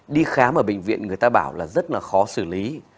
đi khám ở bệnh viện người ta bảo là rất là khó xử lý